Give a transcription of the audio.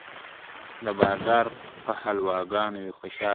د بادار په حلواګانو وي خوشاله ..